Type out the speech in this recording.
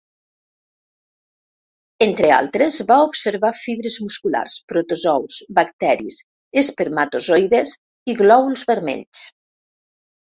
Entre altres, va observar fibres musculars, protozous, bacteris, espermatozoides i glòbuls vermells.